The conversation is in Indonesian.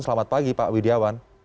selamat pagi pak widiawan